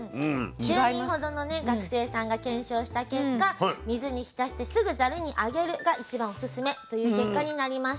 １０人ほどの学生さんが検証した結果「水に浸してすぐざるにあげる」が一番オススメという結果になりました。